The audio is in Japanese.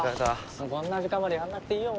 こんな時間までやんなくていいよ